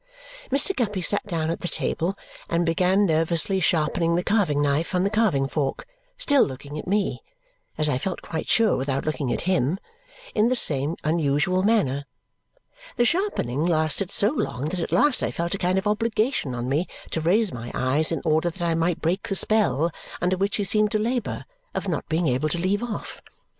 Mr. Guppy sat down at the table and began nervously sharpening the carving knife on the carving fork, still looking at me (as I felt quite sure without looking at him) in the same unusual manner. The sharpening lasted so long that at last I felt a kind of obligation on me to raise my eyes in order that I might break the spell under which he seemed to labour, of not being able to leave off.